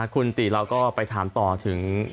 คุณติเราก็ไปถามต่อถึง